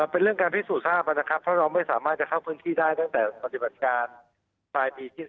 เป็นเรื่องการพิสูจนทราบนะครับเพราะเราไม่สามารถจะเข้าพื้นที่ได้ตั้งแต่ปฏิบัติการปลายปีที่แล้ว